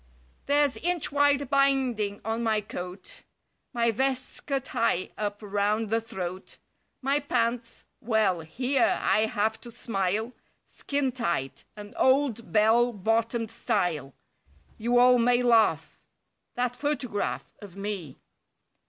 There's inch wide binding on my coat; My vest's "cut high" up 'round the throat; My pants (well, here I have to smile). Skin tight, and old bell bottomed style— You all may laugh— That photograph— Of me.